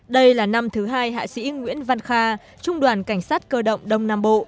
đây là năm thứ hai hạ sĩ nguyễn văn kha trung đoàn cảnh sát cơ động đông nam bộ